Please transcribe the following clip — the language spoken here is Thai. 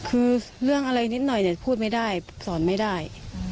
คือเรื่องอะไรนิดหน่อยแต่พูดไม่ได้สอนไม่ได้